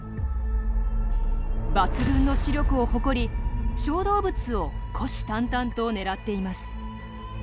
抜群の視力を誇り小動物を虎視たんたんと狙っています。